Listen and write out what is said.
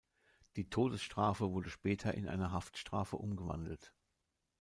Die Todesstrafe wurde später in eine Haftstrafe umgewandelt.